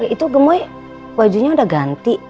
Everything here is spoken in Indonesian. itu gemoy wajunya udah ganti